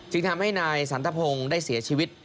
ทำให้นายสันทพงศ์ได้เสียชีวิต